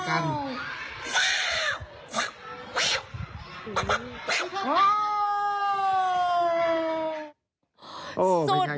สุดยอด